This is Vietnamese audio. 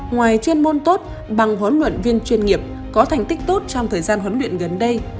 ngoài chuyên môn tốt bằng huấn luyện viên chuyên nghiệp có thành tích tốt trong thời gian huấn luyện gần đây